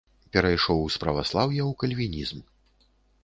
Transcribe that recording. Перайшоў з праваслаўя ў кальвінізм.